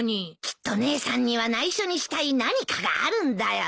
きっと姉さんには内緒にしたい何かがあるんだよ。